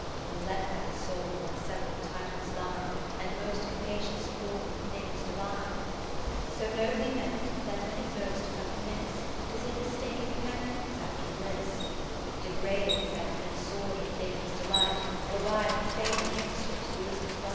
Nor let that soul, by several titles Thine, And most capacious form'd for things Divine, 40 (So nobly meant, that when it most doth miss, 'Tis in mistaken pantings after bliss) Degrade itself in sordid things' de light, Or by profaner mixtures lose its right.